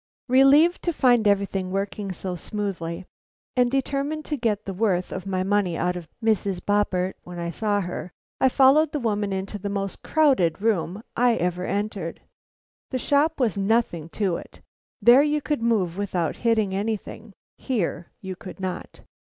Relieved to find everything working so smoothly and determined to get the worth of my money out of Mrs. Boppert when I saw her, I followed the woman into the most crowded room I ever entered. The shop was nothing to it; there you could move without hitting anything; here you could not.